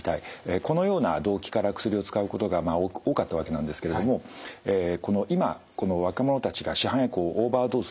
このような動機から薬を使うことが多かったわけなんですけれどもこの今若者たちが市販薬をオーバードーズする理由